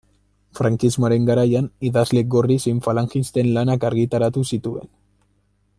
Frankismoaren garaian idazle gorri zein falangisten lanak argitaratu zituen.